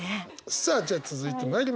さあじゃあ続いてまいりましょう。